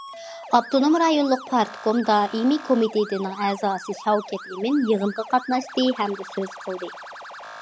ئاپتونوم رايونلۇق پارتكوم دائىمىي كومىتېتىنىڭ ئەزاسى شاۋكەت ئىمىن يىغىنغا قاتناشتى ھەمدە سۆز قىلدى.